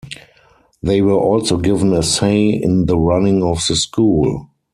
They were also given a say in the running of the school.